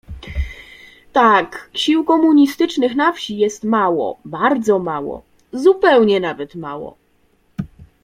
"Tak, sił komunistycznych na wsi jest mało, bardzo mało, zupełnie nawet mało."